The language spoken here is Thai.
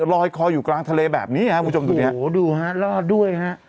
ลอยคอยอยู่กลางทะเลแบบนี้ฮะผู้ชมตรงเนี้ยโหดูฮะรอดด้วยฮะ